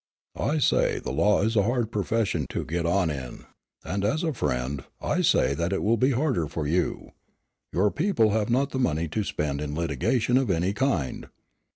"I say the law is a hard profession to get on in, and as a friend I say that it will be harder for you. Your people have not the money to spend in litigation of any kind."